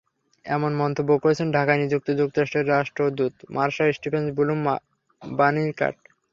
এমন মন্তব্য করেছেন ঢাকায় নিযুক্ত যুক্তরাষ্ট্রের রাষ্ট্রদূত মার্শা স্টিফেন্স ব্লুম বার্নিকাট।